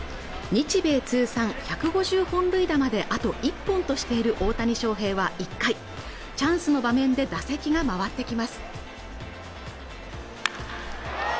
日米通算１５０本塁打まであと１本としている大谷翔平は１回チャンスの場面で打席が回ってきます